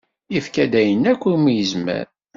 Yefka-d ayen akk umi yezmer.